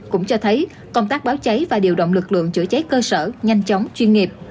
cũng cho thấy công tác báo cháy và điều động lực lượng chữa cháy cơ sở nhanh chóng chuyên nghiệp